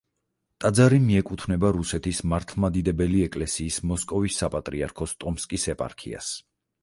ტაძარი მიეკუთვნება რუსეთის მართლმადიდებელი ეკლესიის მოსკოვის საპატრიარქოს ტომსკის ეპარქიას.